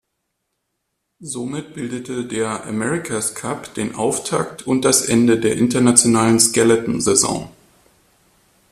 Somit bildete der America’s Cup den Auftakt und das Ende der internationalen Skeleton-Saison.